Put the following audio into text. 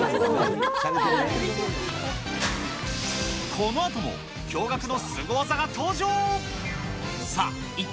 このあとも、驚がくのスゴ技が登場。